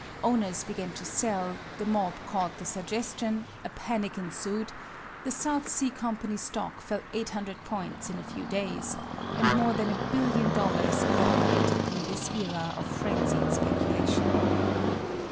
Owners began to sell, the mob caught the suggestion, a panic ensued, the South Sea Company stock fell 800 points in a few days, and more than a billion dollars evaporated in this era of frenzied speculation.